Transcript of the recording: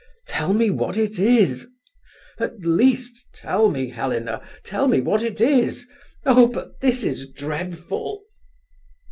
Tell me what it is. At least tell me, Helena; tell me what it is. Oh, but this is dreadful!"